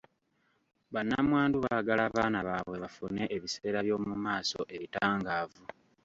Bannamwandu baagala abaana baabwe bafune ebiseera by'omu maaso ebitangaavu.